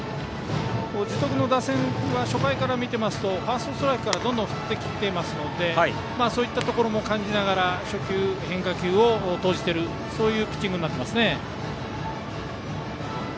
樹徳の打線は初回から見ていますとファーストストライクからどんどん振ってきていますのでそういったところも感じながら初球に変化球を投じているそういうピッチングですね。